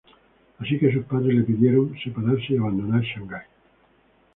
Así que sus padres le pidieron a separarse y abandonar Shanghai.